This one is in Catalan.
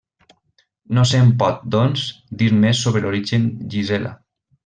No se'n pot doncs dir més sobre l'origen Gisela.